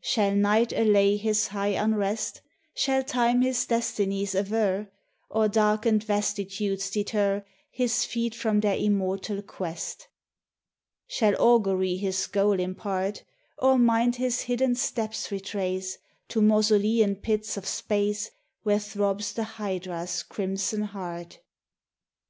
Shall night allay his high unrest? Shall Time his destinies aver, Or darkened vastitude deter His feet from their immortal quest? Shall augury his goal impart, Or mind his hidden steps retrace To mausolean pits of space Where throbs the Hydra's crimson heart?